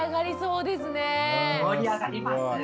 盛り上がります。